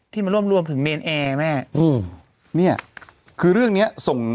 มาร่วมรวมถึงเนรนแอร์แม่อืมเนี้ยคือเรื่องเนี้ยส่ง